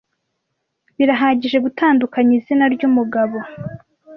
birahagije gutandukanya izina ry umugabo